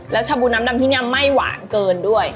แล้วชาบูน้ำดำที่นี่ไม่หวานเกินด้วย